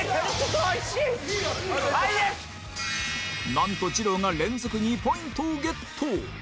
なんとじろうが連続２ポイントをゲット！